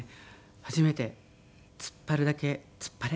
初めて「突っ張るだけ突っ張れ」